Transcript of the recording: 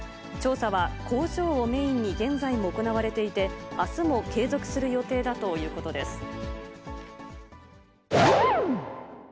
調査は、工場をメインに現在も行われていて、あすも継続する予定だということです。